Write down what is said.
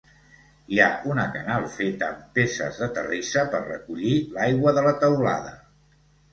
Hi ha una canal feta amb peces de terrissa per recollir l'aigua de la teulada.